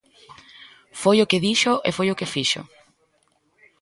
Foi o que dixo e foi o que fixo.